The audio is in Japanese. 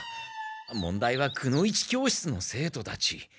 問題はくの一教室の生徒たち。